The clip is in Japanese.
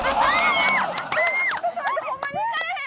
ちょっと待ってホンマに行かれへん。